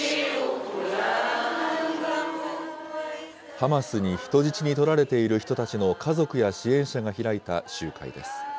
ハマスに人質にとられている人たちの家族や支援者が開いた集会です。